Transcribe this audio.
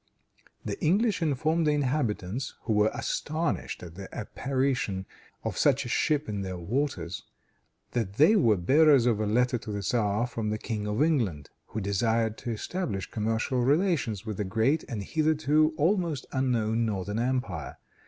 The English informed the inhabitants, who were astonished at the apparition of such a ship in their waters, that they were bearers of a letter to the tzar from the King of England, who desired to establish commercial relations with the great and hitherto almost unknown northern empire.